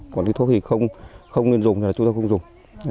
còn cái thuốc thì không nên dùng thì là chúng tôi không dùng